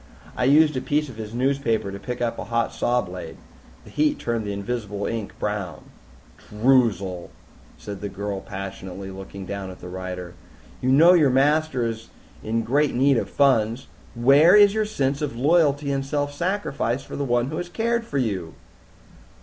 "I used a piece of his newspaper to pick up a hot saw blade. The heat turned the invisible ink brown." "Droozle," said the girl passionately, looking down at the writer, "you know your master is in great need of funds. Where is your sense of loyalty and self sacrifice for the one who has cared for you?"